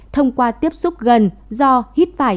thông qua tiếp xúc gần do hít phải